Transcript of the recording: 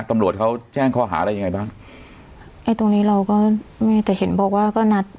ตำรวจเขาแจ้งข้อหาอะไรยังไงบ้างไอ้ตรงนี้เราก็แม่แต่เห็นบอกว่าก็นัด